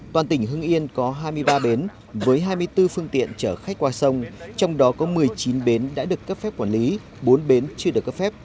toàn tỉnh hưng yên có hai mươi ba bến với hai mươi bốn phương tiện chở khách qua sông trong đó có một mươi chín bến đã được cấp phép quản lý bốn bến chưa được cấp phép